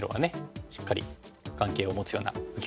しっかり眼形を持つような受け方ですよね。